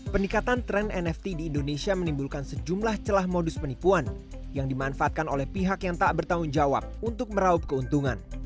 peningkatan tren nft di indonesia menimbulkan sejumlah celah modus penipuan yang dimanfaatkan oleh pihak yang tak bertanggung jawab untuk meraup keuntungan